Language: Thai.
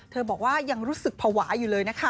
บอกว่ายังรู้สึกภาวะอยู่เลยนะคะ